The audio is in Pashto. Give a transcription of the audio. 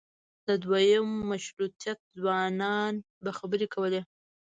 د دویم مشروطیت ځوانانو به خبرې کولې.